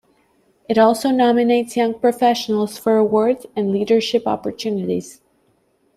It also nominates young professionals for awards and leadership opportunities.